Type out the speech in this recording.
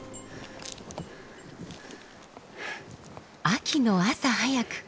秋の朝早く。